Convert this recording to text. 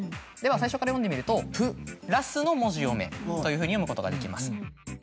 では最初から読んでみると「プラスノモジヨメ」というふうに読むことができます。